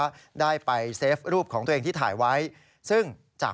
ขณะที่เฟสบุ๊คของสวนน้ำยังไม่เสร็จนะครับ